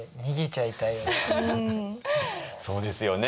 そうですよね